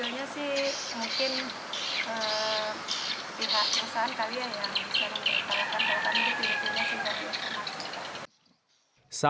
mungkin pihak perusahaan kami yang bisa menghubungkan mereka